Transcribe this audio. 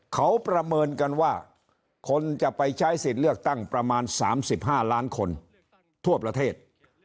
เขาประเมินกันว่าคนจะไปใช้สิทธิ์เลือกตั้งประมาณ๓๕ล้านคนทั่วประเทศ